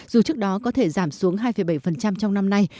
dù trước đó có thể giảm xuống hai bảy trong năm nay